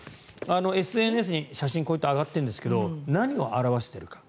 ＳＮＳに写真がこうやって上がってるんですが何を表しているか。